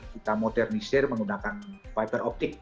kita modernisir menggunakan fiber optik